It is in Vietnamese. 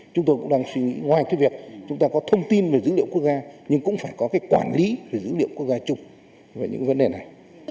chúng tôi cũng đang suy nghĩ ngoài cái việc chúng ta có thông tin về dữ liệu quốc gia nhưng cũng phải có cái quản lý về dữ liệu quốc gia chung về những vấn đề này